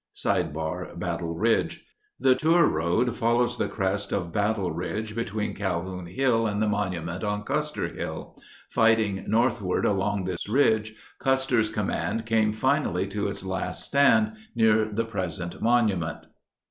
© Battle Ridge The tour road follows the crest of Battle Ridge be tween Calhoun Hill and the monument on Custer Hill. Fighting northward along this ridge, Custer's command came finally to its last stand near the present monument.